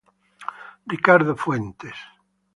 Ricardo Fuentes